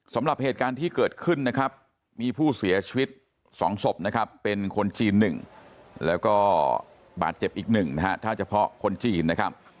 สำหรับเหตุการณ์ที่เกิดขึ้นนะครับมีผู้เสียชีวิต๒ศพนะครับเป็นคนจีน๑แล้วก็บาดเจ็บอีกหนึ่งนะฮะถ้าเฉพาะคนจีนนะครับ